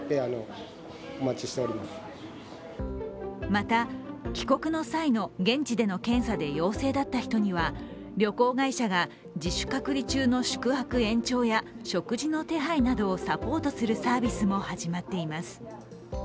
また、帰国の際の現地での検査で陽性だった人には旅行会社が自主隔離中の宿泊延長や食事の手配などをサポートするサービスも始まっています。